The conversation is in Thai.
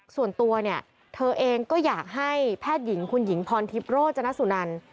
ส่วนตัวเนี่ยเธอเองก็อยากให้แพทย์หญิงคุณหญิงพรทิพย์โรจนสุนัน